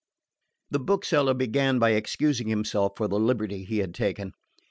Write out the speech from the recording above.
The bookseller began by excusing himself for the liberty he had taken.